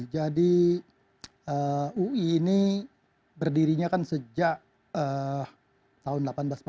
jadi ui ini berdirinya kan sejak tahun seribu delapan ratus empat puluh sembilan